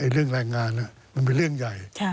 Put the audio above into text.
เรื่องแรงงานมันเป็นเรื่องใหญ่